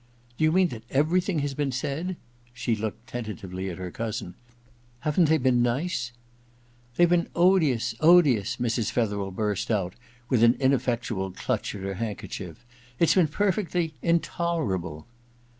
*Do you mean that everything has been said ?' She looked tentativdy at her cousin. ' Haven't they been nice ?'* They've been odious — odious * Mrs. Fetherel burst out, with an ineffectual clutch at her handkerchief. * It's been perfectly intoler able!'